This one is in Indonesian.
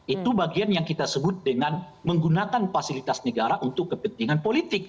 itu bagian yang kita sebut dengan menggunakan fasilitas negara untuk kepentingan politik